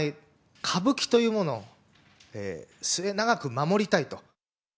歌舞伎というものを末永く守りたいと。